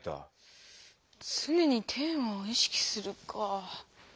「つねにテーマをいしきする」か。